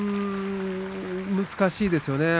難しいですよね。